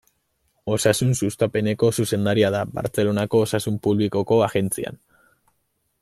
Osasun Sustapeneko zuzendaria da Bartzelonako Osasun Publikoko Agentzian.